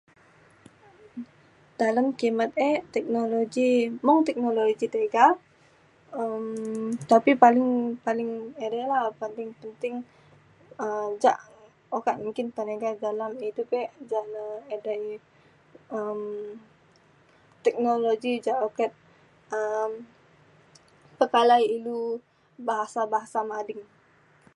Dalem kimet e teknologi mung teknologi tega um tapi paling paling edei la paling penting um ja okak mungkin penega dalem idup ke ja le edei um teknologi ja ukat um pekalai ilu bahasa bahasa mading.